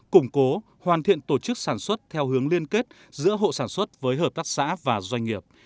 củng cố hoàn thiện tổ chức sản xuất theo hướng liên kết giữa hộ sản xuất với hợp tác xã và doanh nghiệp